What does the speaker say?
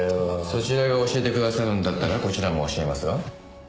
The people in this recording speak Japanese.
そちらが教えてくださるんだったらこちらも教えますが。